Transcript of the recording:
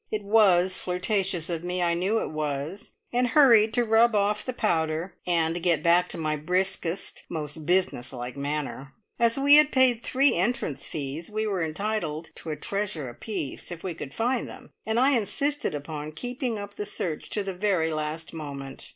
It was flirtatious of me, I knew it was, and hurried to rub off the powder, and get back to my briskest, most business like manner. As we had paid three entrance fees, we were entitled to a treasure apiece, if we could find them, and I insisted upon keeping up the search to the very last moment.